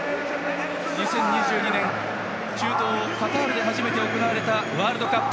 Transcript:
２０２２年、中東カタールで初めて行われたワールドカップ。